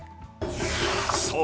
◆そう。